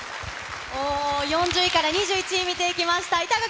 ４０位から２１位、見ていきました。